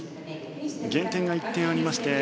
減点が１点ありまして